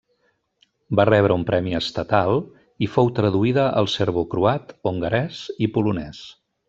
Va rebre un premi estatal, i fou traduïda al serbocroat, hongarès i polonès.